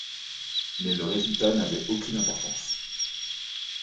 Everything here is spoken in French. Mais le résultat n'avait aucune importance.